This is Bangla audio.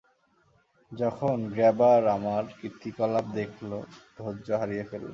যখন গ্র্যাবার আমার কীর্তিকলাপ দেখলো, ধৈর্য হারিয়ে ফেললো।